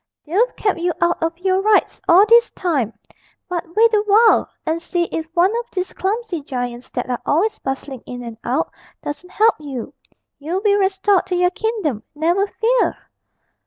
'They've kept you out of your rights all this time; but wait a while, and see if one of these clumsy giants that are always bustling in and out doesn't help you; you'll be restored to your kingdom, never fear!'